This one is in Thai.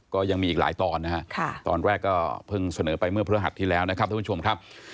ก็ยังมีอีกหลายตอนนะฮะตอนแรกก็เพิ่งเสนอไปเมื่อพระหัสที่แล้วนะครับท่านผู้ชมครับ